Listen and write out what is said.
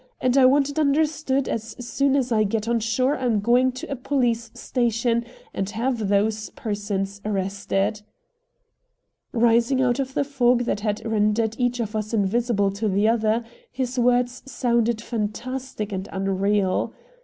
And I want it understood as soon as I get on shore I'm going to a police station and have those persons arrested." Rising out of the fog that had rendered each of us invisible to the other, his words sounded fantastic and unreal.